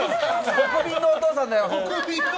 国民のお父さんだよ！